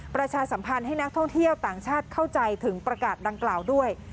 ประชาสัมพันธ์ให้นักท่องเที่ยวต่างชาติเข้าใจถึงประกาศดังกล่าวด้วย